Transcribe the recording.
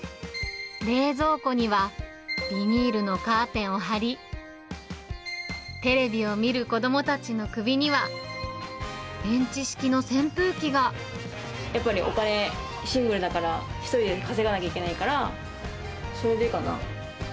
冷蔵庫には、ビニールのカーテンを張り、テレビを見る子どもたちの首には、やっぱりお金、シングルだから、１人で稼がなきゃいけないから、それでかな。